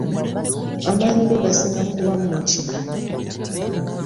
Amaanyi go gasinga kuba mu ki?